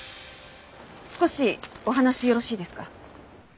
少しお話よろしいですか？